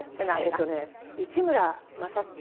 えっとね市村正親さん。